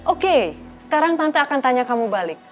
oke sekarang tante akan tanya kamu balik